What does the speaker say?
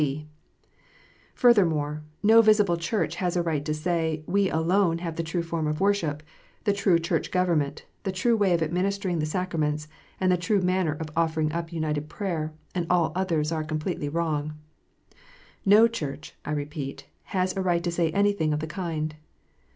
(b) Furthermore, no visible Church has a right to say, "We alone have the true form of worship, the true Church government, the true way of administering the sacraments, and the true manner of offering up united prayer; and all others are completely wrong." No Church, I repeat, has a right to say anything of the kind.